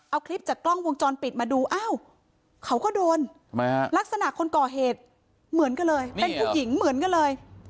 เอาคลิปจากกล้องวงจรปิดมาดูอ้าวเขาก็โดนลักษณะคนก่อเหตุเหมือนกันเลยเป็นผู้หญิงเหมือนกันเลย